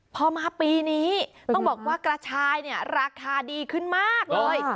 พอมาปีนี้ต้องบอกว่ากระชายเนี่ยราคาดีขึ้นมากเลย